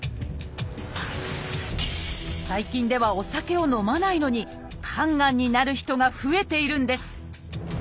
最近ではお酒を飲まないのに肝がんになる人が増えているんです。